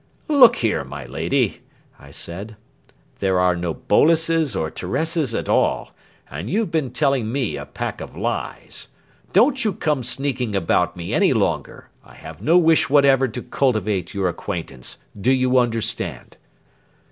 "Look here, my lady," I said, "there are no Boleses or Teresas at all, and you've been telling me a pack of lies. Don't you come sneaking about me any longer. I have no wish whatever to cultivate your acquaintance. Do you understand?"